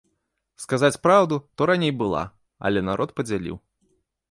Сказаць праўду, то раней была, але народ падзяліў.